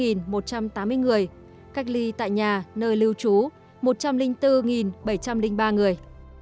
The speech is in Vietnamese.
bệnh nhân bảy trăm linh ba người